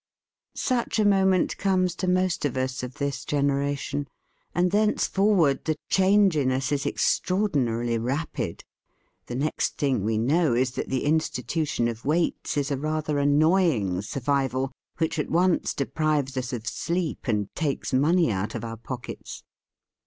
Such a moment comes to mosj of us THE FEAST OF ST FRIEND of this generation. And thencefor ward the change in us is extraordinarily rapid. The next thing we know is that the institution of waits is a rather an noying survival which at once deprives us of sleep and takes money out of our pockets.